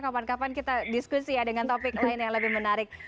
kapan kapan kita diskusi ya dengan topik lain yang lebih menarik